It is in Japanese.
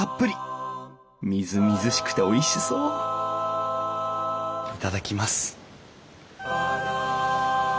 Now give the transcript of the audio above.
みずみずしくておいしそういただきます。